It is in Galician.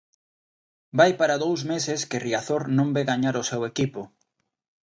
Vai para dous meses que Riazor non ve gañar o seu equipo.